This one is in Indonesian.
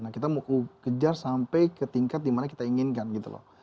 nah kita mau kejar sampai ke tingkat dimana kita inginkan gitu loh